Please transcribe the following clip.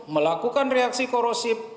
melakukan reaksi korosif